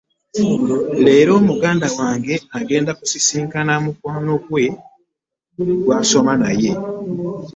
Leero muganda wange agenda kusisinkana mukwano gwe gw'asoma naye.